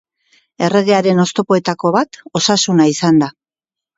Erregearen oztopoetako bat osasuna izan da.